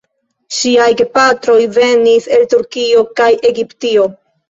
Ŝiaj gepatroj venis el Turkio kaj Egiptio.